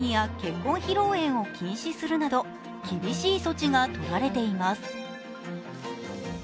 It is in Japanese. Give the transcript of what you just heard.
北京市内では会社の会議や結婚披露宴を禁止するなど厳しい措置がとられています。